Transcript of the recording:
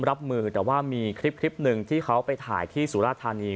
รับมือแต่ว่ามีคลิปหนึ่งที่เขาไปถ่ายที่สุราธานี